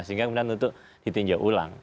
sehingga kemudian untuk ditinjau ulang